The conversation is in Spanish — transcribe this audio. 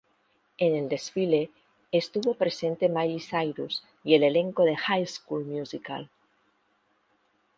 En el desfile estuvo presente Miley Cyrus y el elenco de "High School Musical".